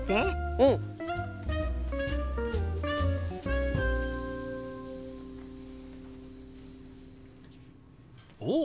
うん！おっ！